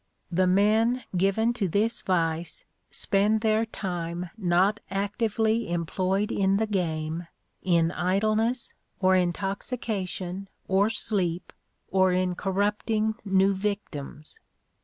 The men given to this vice spend their time not actively employed in the game in idleness, or intoxication, or sleep, or in corrupting new victims.